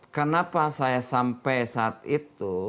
kenapa saya sampai saat itu